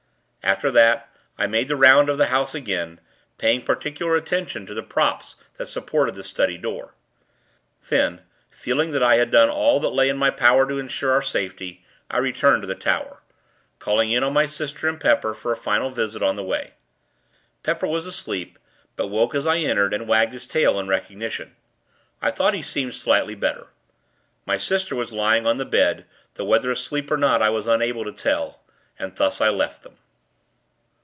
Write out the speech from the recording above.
After that, I made the 'round of the house again; paying particular attention to the props that supported the study door. Then, feeling that I had done all that lay in my power to insure our safety, I returned to the tower; calling in on my sister and Pepper, for a final visit, on the way. Pepper was asleep; but woke, as I entered, and wagged his tail, in recognition. I thought he seemed slightly better. My sister was lying on the bed; though whether asleep or not, I was unable to tell; and thus I left them.